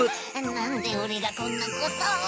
なんでおれがこんなことを。